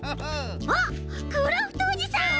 あっクラフトおじさん！